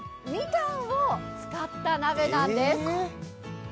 みかんを使った鍋なんです。